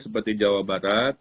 seperti jawa barat